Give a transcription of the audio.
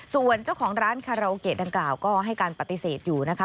ส่วนเจ้าของร้านคาราโอเกะดังกล่าวก็ให้การปฏิเสธอยู่นะคะ